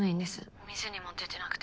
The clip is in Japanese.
お店にも出てなくて。